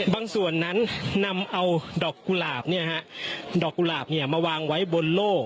บางส่วนนั้นนำเอาดอกกุหลาบมาวางไว้บนโล่